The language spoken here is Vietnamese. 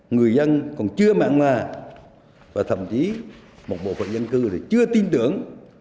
người dân còn chưa mạng hòa và thậm chí một bộ phận dân cư thì chưa tin tưởng